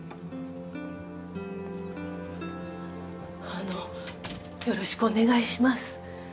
あのよろしくお願いします。